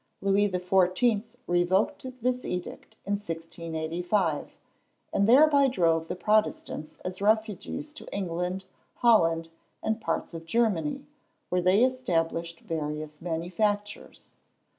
Louis the Fourteenth revoked this edict in 1685, and thereby drove the Protestants as refugees to England, Holland, and parts of Germany, where they established various manufactures.